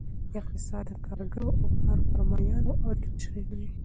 اقتصاد د کارګرو او کارفرمایانو اړیکې تشریح کوي.